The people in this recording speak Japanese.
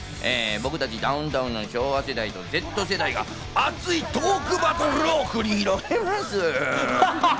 僕たちダウンタウンの昭和世代とＺ世代が熱いトークバトルを繰り広げるんす。